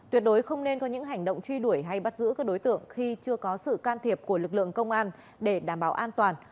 tuyệt đối không nên có những hành động truy đuổi hay bắt giữ các đối tượng khi chưa có sự can thiệp của lực lượng công an để đảm bảo an toàn